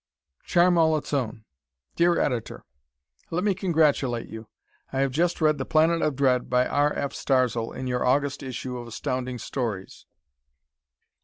"Charm All Its Own" Dear Editor: Let me congratulate you. I have just read "The Planet of Dread," by R. F. Starzl, in your August issue of Astounding Stories.